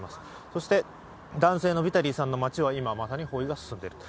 そして、男性のヴィタリーさんの街は今、まさに包囲が進んでいると。